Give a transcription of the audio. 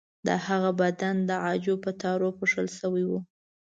د هغه بدن د عاجو په تارونو پوښل شوی و.